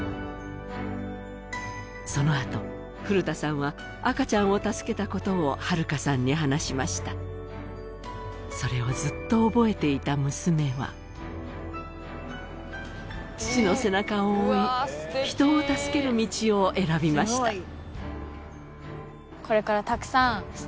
そのあと古田さんは赤ちゃんを助けたことを晴夏さんに話しましたそれをずっと覚えていた娘は父の背中を追い人を助ける道を選びました